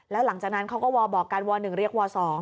แล้วหลังจากนั้นเขาก็วอบอกกันว๑เรียกว๒